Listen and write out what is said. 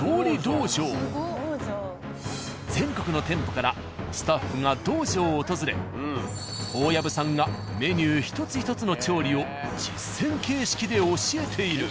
全国の店舗からスタッフが道場を訪れ大藪さんがメニュー一つ一つの調理を実践形式で教えている。